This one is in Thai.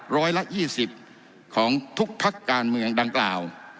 ร้อยละ๒๐ของทุกพักการเมืองดังกล่าว